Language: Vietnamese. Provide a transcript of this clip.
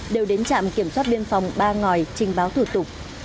đều đến trạm kiểm soát biên phòng ba ngòi trình báo thủ tục